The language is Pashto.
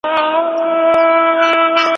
پردېسي خواره خواري ده وچوي د زړګي وینه